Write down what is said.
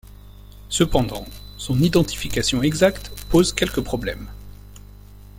Cependant, son identification exacte pose quelques problèmes.